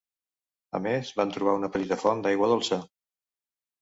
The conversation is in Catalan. A més van trobar una petita font d'aigua dolça.